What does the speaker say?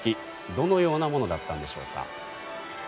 どのようなものだったんでしょうか。